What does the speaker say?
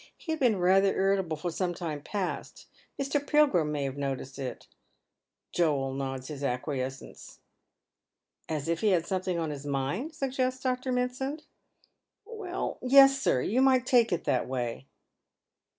He had been rather initable for some time past. Mr. Pilgrim may have noticed it." Joel nods acquiescence. " As if he had something on his mind ?" suggests Dr. Mit SRnd. " \Vell, yes, sir. You might take it that way."